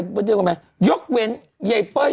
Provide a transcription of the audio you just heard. ยกเว้นเจ๊เปิ๊ยไม่อยู่ในสายด้วย